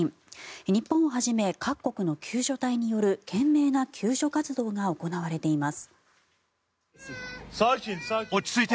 日本をはじめ各国の救助隊による懸命な救助活動が行われています。